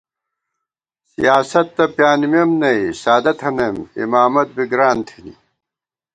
سیاست تہ پیانِمېم نئ، سادہ تھنَئیم، امامت بی گران تھِنی